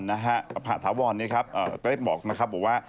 มหาธวรนี่ครับก็ได้บอกนะครับว่า